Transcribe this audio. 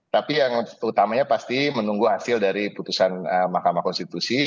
tapi yang utamanya pasti menunggu hasil dari putusan mahkamah konstitusi